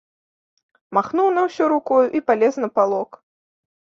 Махнуў на ўсё рукою і палез на палок.